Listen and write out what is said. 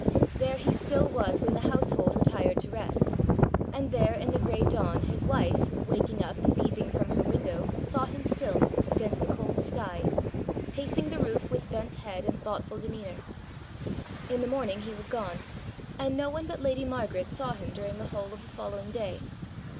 There he still was when the household retired to rest, and there, in the grey dawn, his wife, waking up and peeping from her window, saw him still, against the cold sky, pacing the roof with bent head and thoughtful demeanour. In the morning he was gone, and no one but lady Margaret saw him during the whole of the following day.